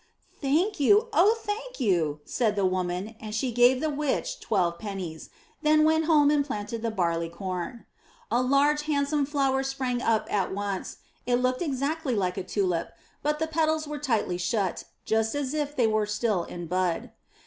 'Thank you, oh, thank you!" said the woman, and she gave the witch twelve pennies, then went home and planted the barley corn. A large, handsome flower sprang up at once; it looked exactly like a tulip, but the petals were tightly shut up, just as if they were still in bud.